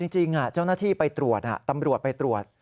จริงเจ้าหน้าที่ไปตรวจตำรวจไปตรวจ